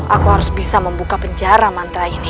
aku harus bisa membuka penjara mantra ini